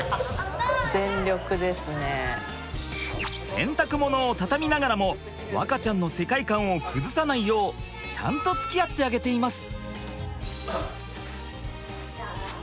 洗濯物を畳みながらも和花ちゃんの世界観を崩さないようちゃんとつきあってあげています。